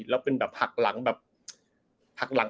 และจะหักหลัง